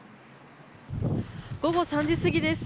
午後３時過ぎです。